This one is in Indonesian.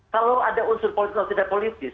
kalau ada unsur politis atau tidak politis